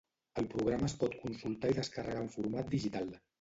El programa es pot consultar i descarregar en format digital